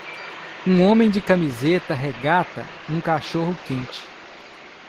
Um homem de camiseta regata um cachorro-quente.